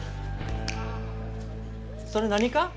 それ何か？